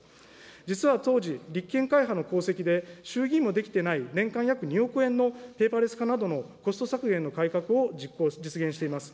実は当時、立憲会派の功績で、衆議院もできていない年間約２億円のペーパーレス化などのコスト削減の改革を実現しています。